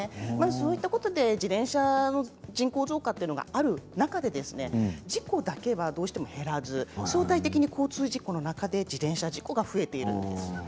そういったことで自転車の人口増加というのがある中で事故だけは、どうしても減らず相対的に交通事故の中で自転車事故が増えているんです。